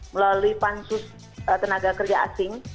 melalui pansus tenaga kerja asing